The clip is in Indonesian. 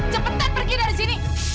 cepetan pergi dari sini